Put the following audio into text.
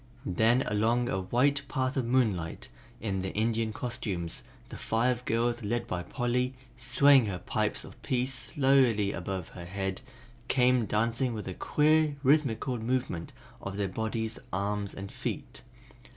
Then along a white path of moonlight, in their Indian costumes, the five girls led by Polly, swaying her pipes of peace slowly above her head, came dancing with a queer, rhythmical movement of their bodies, arms and feet.